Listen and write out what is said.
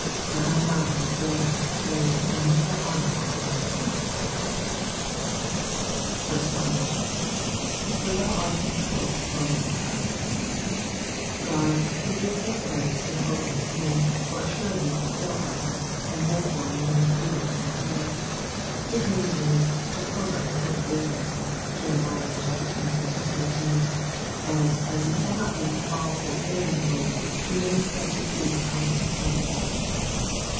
8 Let my mouth be filled with thy praise and with thy honour all the day. Digitized by VjOOQIC 296 EXPOSITIONS OF THE PSALMS, 5. ''*'For thoti art my hope, 0 Lord Ood,^^ God who gives us grace to hope in him, will assuredly fulfil our hope, and, therefore, we may plead it in prayer. His name is '' Jehovah, the hope of Israel ^' (Jer. zvii. 13) ; and, as he cannot be a false or failing hope, we may expect to see our confidence justified.